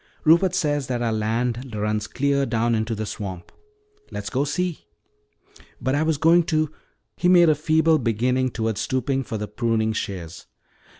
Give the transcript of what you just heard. Rupert says that our land runs clear down into the swamp. Let's go see." "But I was going to " He made a feeble beginning toward stooping for the pruning shears.